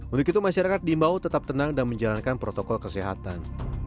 untuk itu masyarakat diimbau tetap tenang dan menjalankan protokol kesehatan